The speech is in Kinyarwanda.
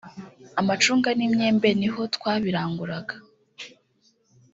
amacunga n’imyembe niho twabiranguraga”